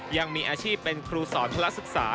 ยังมีอาชีพเป็นครูสอนธละศึกษา